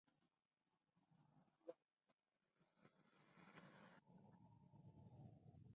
La ola antisemita se propagó desde Franconia hacia Baviera y Austria.